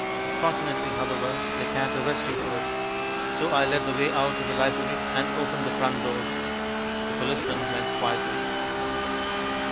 Fortunately, however, they can't arrest you for it. So I led the way out of the library and opened the front door. The policeman went quietly.